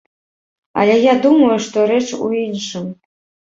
Але я думаю, што рэч у іншым.